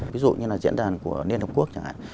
ví dụ như là diễn đàn của liên hợp quốc chẳng hạn